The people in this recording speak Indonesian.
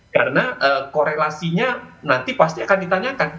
karena korelasinya nanti pasti akan ditanyakan